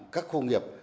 các khu công nghiệp